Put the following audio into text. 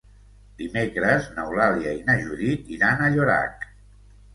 Dimecres n'Eulàlia i na Judit iran a Llorac.